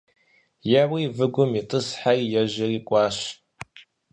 Еуэри выгум итӀысхьэри ежьэри кӀуащ.